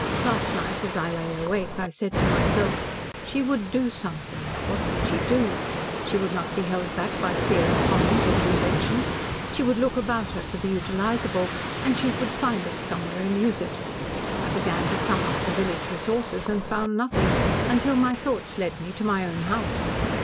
Last night, as I lay awake, I said to myself, 'She would DO something. What would she do?' She would not be held back by fear of comment or convention. She would look about her for the utilisable, and she would find it somewhere and use it. I began to sum up the village resources and found nothing until my thoughts led me to my own house.